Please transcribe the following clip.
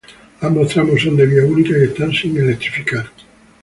Ambos tramos son de vía única y están sin electrificar.